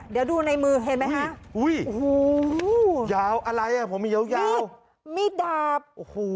เดี๋ยวดูในมือเห็นไหมฮะอุ้ยโอ้โหยาวอะไรอ่ะผมยาวยาวมีดาบโอ้โห